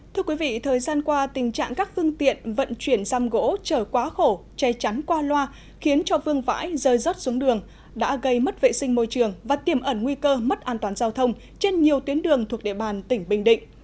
thưa quý vị thời gian qua tình trạng các phương tiện vận chuyển giam gỗ chở quá khổ che chắn qua loa khiến cho vương vãi rơi rớt xuống đường đã gây mất vệ sinh môi trường và tiềm ẩn nguy cơ mất an toàn giao thông trên nhiều tuyến đường thuộc địa bàn tỉnh bình định